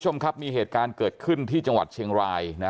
มีเหตุการณ์เกิดขึ้นที่จังหวัดเชียงราย